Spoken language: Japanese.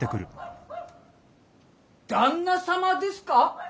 旦那様ですか？